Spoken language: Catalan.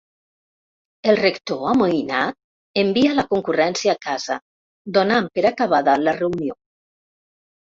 El rector, amoïnat, envia la concurrència a casa, donant per acabada la reunió.